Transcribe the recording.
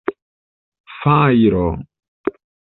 Fajro!